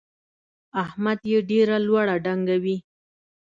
احمد يې ډېره لوړه ډنګوي.